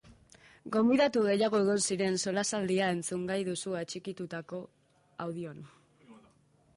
Gobidatu gehiago egon diren solasaldia entzungai duzu atxikituriko audioan!